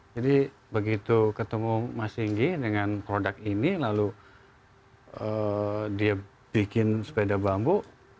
jadi begitu ketemu mas singgih dengan produk ini lalu dia bikin sepeda bambu